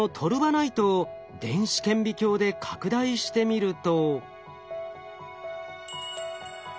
ナイトを電子顕微鏡で拡大してみると。